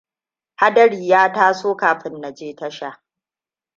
Hadari ya taso kafin na je tasha.